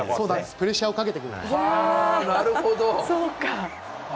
プレッシャーをかけてくる。